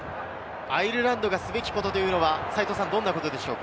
アイルランドがすべきことはどんなことでしょうか？